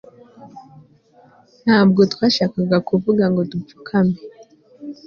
ntabwo twashakaga kuvuga ngo dupfukame